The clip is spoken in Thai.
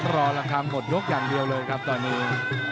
รอราคาหมดยกอย่างเดียวเลยครับตอนนี้